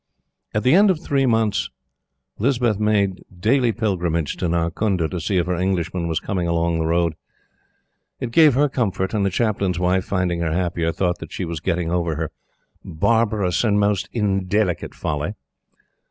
At the end of three months, Lispeth made daily pilgrimage to Narkunda to see if her Englishman was coming along the road. It gave her comfort, and the Chaplain's wife, finding her happier, thought that she was getting over her "barbarous and most indelicate folly."